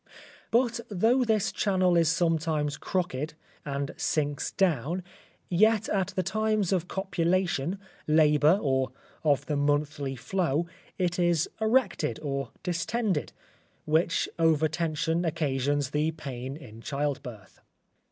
But though this channel is sometimes crooked and sinks down yet at the times of copulation, labour, or of the monthly flow, it is erected or distended, which overtension occasions the pain in childbirth.